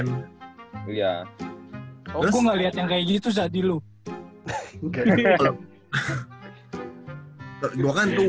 oh gue gak liat yang kayak gitu saat di lu